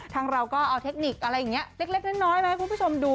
ทางเราก็เอาเทคนิคอะไรอย่างนี้เล็กน้อยมาให้คุณผู้ชมดู